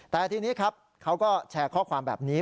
แต่ทีนี้ครับเขาก็แชร์ข้อความแบบนี้